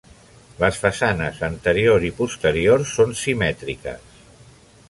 Les façanes anterior i posterior són simètriques.